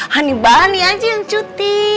honey boney aja yang cuti